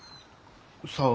さあ？